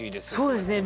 そうですね。